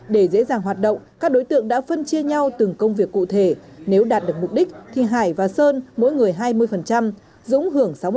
để dễ dàng hoạt động các đối tượng đã phân chia nhau từng công việc cụ thể nếu đạt được mục đích thì hải và sơn mỗi người hai mươi dũng hưởng sáu mươi